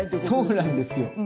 そうなんですよ。